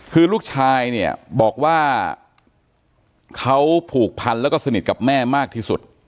คือลูกชายเนี่ยบอกว่าเขาผูกพันแล้วก็สนิทกับแม่มากที่สุด